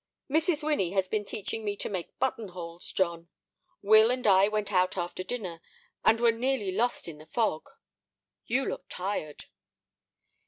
"Mrs. Winnie has been teaching me to make button holes, John. Will and I went out after dinner, and were nearly lost in the fog. You look tired."